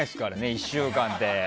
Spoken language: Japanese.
１週間って。